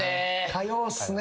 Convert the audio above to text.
火曜っすね。